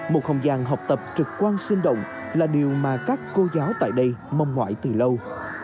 một không gian học tập trực quan sinh động là điều mà các cô giáo tại đây mong ngoại từ lâu